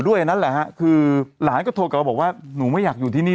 นั่นแหละฮะคือหลานก็โทรกลับมาบอกว่าหนูไม่อยากอยู่ที่นี่